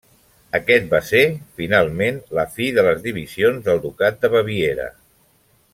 Aquest va ser, finalment, la fi de les divisions del ducat de Baviera.